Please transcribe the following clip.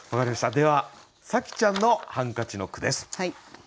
では紗季ちゃんの「ハンカチ」の句です。